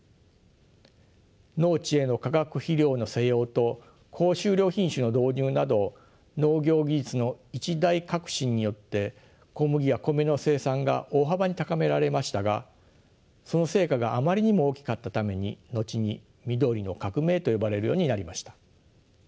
農地への化学肥料の施用と高収量品種の導入など農業技術の一大革新によって小麦や米の生産が大幅に高められましたがその成果があまりにも大きかったために後に緑の革命と呼ばれるようになりました。